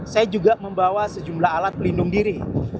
saya juga membawa sejumlah alat pelindung diri